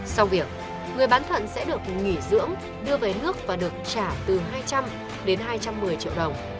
sau việc người bán thận sẽ được nghỉ dưỡng đưa về nước và được trả từ hai trăm linh đến hai trăm một mươi triệu đồng